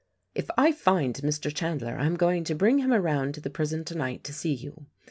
If I find Mr. Chandler I am going to bring him around to the prison tonight to see you.